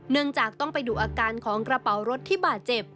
เนื่องจากต้องไปดูอาการของกระเป๋ารถที่บาดเจ็บ